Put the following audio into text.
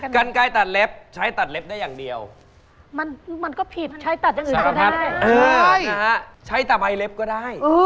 กันไกลตัดเล็บใช้ตัดเล็บได้อย่างเดียวมันก็ผิดมันใช้ตัดอย่างอื่นตัดก็ได้ใช้แต่ใบเล็บก็ได้